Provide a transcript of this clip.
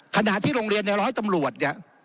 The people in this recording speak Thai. ขณะที่โรงเรียนในร้อยตำรวจเนี่ย